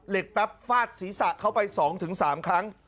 แป๊บฟาดศีรษะเขาไป๒๓ครั้ง